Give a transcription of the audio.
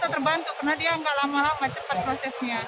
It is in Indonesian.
kita terbantu karena dia nggak lama lama cepat prosesnya